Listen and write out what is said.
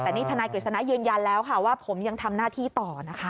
แต่นี่ทนายกฤษณะยืนยันแล้วค่ะว่าผมยังทำหน้าที่ต่อนะคะ